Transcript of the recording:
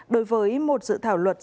đối với một dự thảo luật